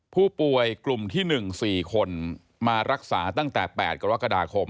ผู้ป่วยกลุ่มที่๑๔คนมารักษาตั้งแต่๘กรกฎาคม